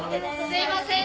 ・すいません！